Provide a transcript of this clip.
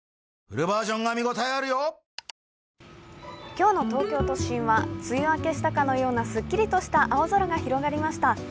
今日の東京都心は梅雨明けしたかのような、すっきりとした青空が広がりました。